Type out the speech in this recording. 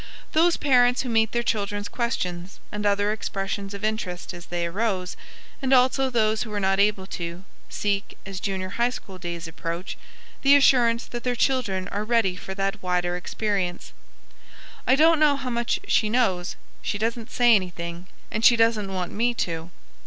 Those parents who met their children's questions and other expressions of interest as they arose, and also those who were not able to, seek, as junior high school days approach, the assurance that their children are ready for that wider experience. "I don't know how much she knows she doesn't say anything, and she doesn't want me to."